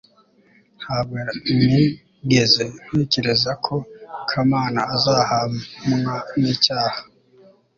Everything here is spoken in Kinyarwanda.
ntabwo nigeze ntekereza ko kamana azahamwa n'icyaha